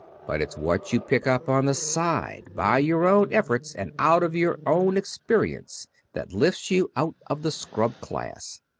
But it's what you pick up on the side, by your own efforts and out of your own experience, that lifts you out of the scrub class.